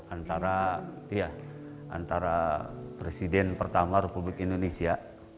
antara presiden pertama republik indonesia